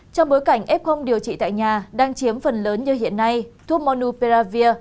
trong bối cảnh f điều trị tại nhà đang chiếm phần lớn như hiện nay thuốc monuperavir